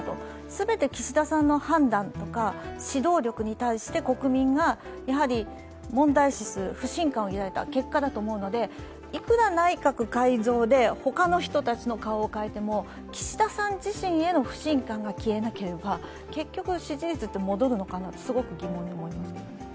全て岸田さんの判断とか、指導力に対して国民が問題視する、不信感を抱いた結果だと思うのでいくら内閣改造で他の人たちの顔を変えても岸田さん自身への不信感が消えなければ結局、支持率って戻るのか疑問に思います。